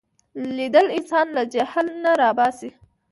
لیدل انسان له جهل نه را باسي